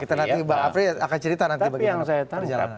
afri akan cerita nanti bagaimana perjalanannya